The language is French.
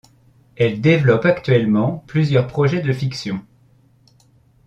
Elle développe actuellement plusieurs projets de fiction.